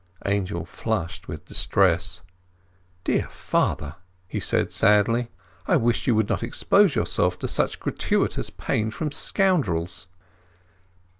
Angel flushed with distress. "Dear father," he said sadly, "I wish you would not expose yourself to such gratuitous pain from scoundrels!"